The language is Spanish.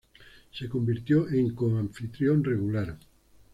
Se convirtió en co-anfitrión regular.